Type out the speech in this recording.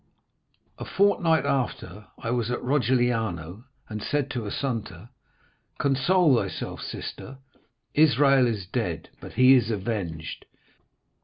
A fortnight after I was at Rogliano, and I said to Assunta: "'Console thyself, sister; Israel is dead, but he is avenged.